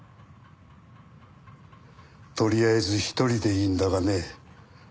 とりあえず１人でいいんだがね。